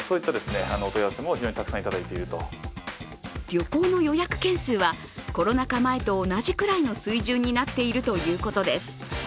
旅行の予約件数はコロナ禍前と同じくらいの水準になっているということです。